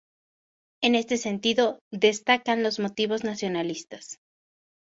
En este sentido destacan los motivos nacionalistas.